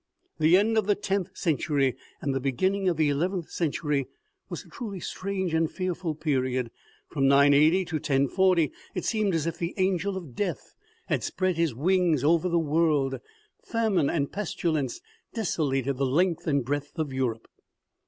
The end of the tenth century and the beginning of the eleventh century was a truly strange and fearful period. From 980 to 1040 it seemed as if the angel of death had 140 OMEGA. spread his wings over the world. Famine and pestilence desolated the length and breadth of Europe.